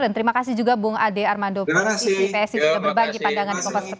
dan terima kasih juga bung ade armando psi juga berbagi pandangan di kompas petang